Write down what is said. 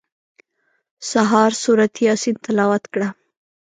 سهار سورت یاسین تلاوت کړه.